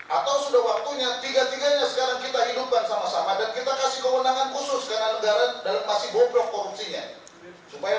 atau sudah waktunya tiga tiganya sekarang kita hidupkan sama sama